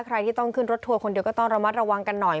ใครที่ต้องขึ้นรถทัวร์คนเดียวก็ต้องระมัดระวังกันหน่อย